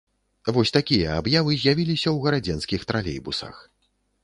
Вось такія аб'явы з'явіліся ў гарадзенскіх тралейбусах.